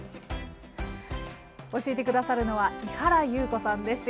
教えて下さるのは井原裕子さんです。